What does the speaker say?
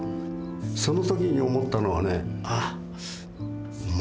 その時に思ったのはね